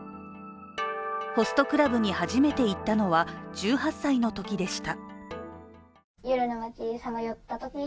ホストクラブに初めて行ったのは１８歳のときでした。